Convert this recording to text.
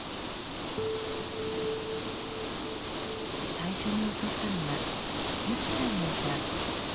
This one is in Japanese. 最初に襲ったのが優希ちゃんのいた２年南組。